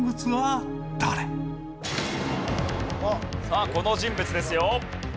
さあこの人物ですよ。